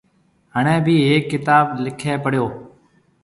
هڻي ڀِي هيڪ ڪتآب لِکي پڙيو۔